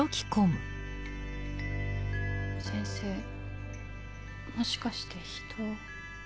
先生もしかして人を。